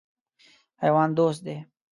حیوان دوست دی.